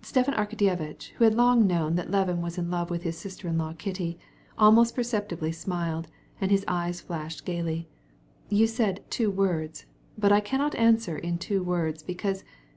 Stepan Arkadyevitch, who had long known that Levin was in love with his sister in law, Kitty, gave a hardly perceptible smile, and his eyes sparkled merrily. "You said a few words, but I can't answer in a few words, because....